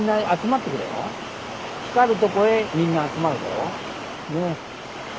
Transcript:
光るとこへみんな集まるんだよ。